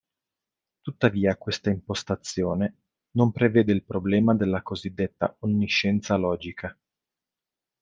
Tuttavia questa impostazione non prevede il problema della cosiddetta “onniscienza logica”.